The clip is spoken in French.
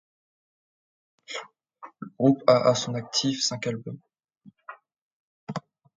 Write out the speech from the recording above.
Le groupe a à son actif cinq albums.